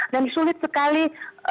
dan sulit sekali